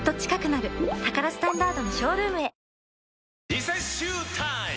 リセッシュータイム！